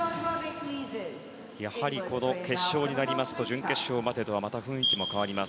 やはりこの決勝になりますと準決勝までとは雰囲気も変わります。